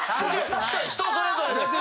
人それぞれです。